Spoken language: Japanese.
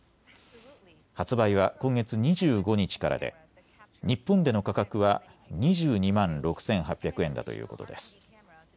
発売は今月２５日からで日本での価格は２２万６８００円だということです。